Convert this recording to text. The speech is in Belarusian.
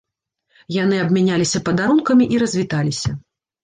Яны абмяняліся падарункамі і развіталіся.